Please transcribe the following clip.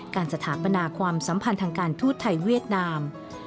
สถาปนาความสัมพันธ์ทางการทูตไทยเวียดนาม